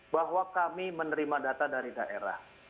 bahwa kami menerima data dari daerah